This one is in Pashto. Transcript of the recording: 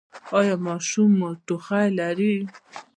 ایا ماشوم مو ټوخی لري؟